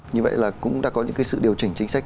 như vậy là cũng đã có những sự điều chỉnh chính sách